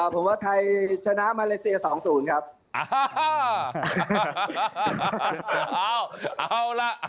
ผมว่าไทยชนะมาเลเซีย๒๐ครับ